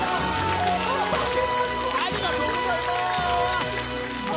ありがとうございます！